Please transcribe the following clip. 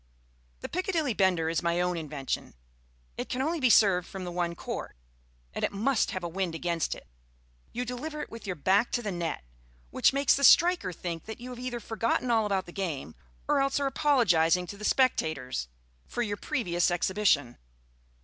The Piccadilly Bender is my own invention. It can only be served from the one court, and it must have a wind against it. You deliver it with your back to the net, which makes the striker think that you have either forgotten all about the game, or else are apologising to the spectators for your previous exhibition.